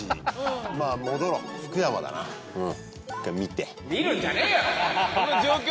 まぁ戻ろう福山だな一回見て。